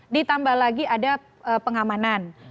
ditambah lagi ada pengamanan